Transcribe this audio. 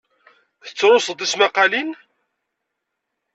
Tettluseḍ tismaqalin?